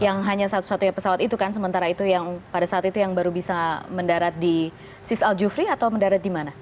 yang hanya satu satunya pesawat itu kan sementara itu yang pada saat itu yang baru bisa mendarat di sis al jufri atau mendarat di mana